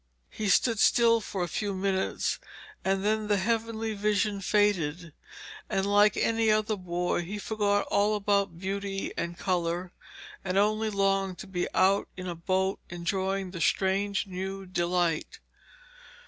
He stood still for a few minutes and then the heavenly vision faded, and like any other boy he forgot all about beauty and colour, and only longed to be out in a boat enjoying the strange new delight.